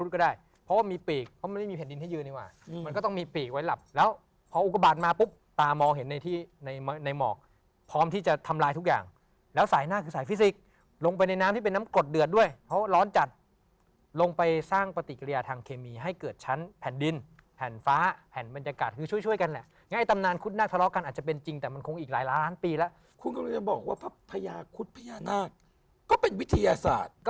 ก็ได้เพราะมีปีกเพราะมันไม่มีแผ่นดินให้ยืนไงว่ะมันก็ต้องมีปีกไว้หลับแล้วพออุปกรณ์มาปุ๊บตามองเห็นในที่ในในหมอกพร้อมที่จะทำลายทุกอย่างแล้วสายหน้าคือสายฟิสิกส์ลงไปในน้ำที่เป็นน้ำกรดเดือดด้วยเพราะร้อนจัดลงไปสร้างปฏิกริยาทางเคมีให้เกิดชั้นแผ่นดินแผ่นฟ้าแผ่นบรรยากาศ